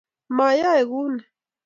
Mayae guni